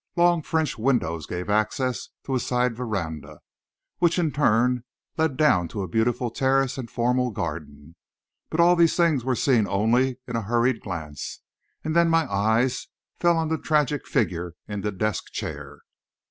Long French windows gave access to a side veranda, which in turn led down to a beautiful terrace and formal garden. But all these things were seen only in a hurried glance, and then my eyes fell on the tragic figure in the desk chair.